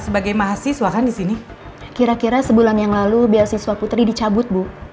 bh siswanya di jabut